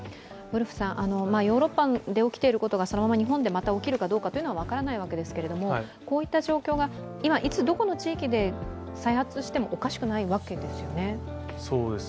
ヨーロッパで起きていることがそのまま日本で起きるかというのは分からないわけですがこういった状況が今、いつ、どこの地域で再発してもおかしくないわけですよね。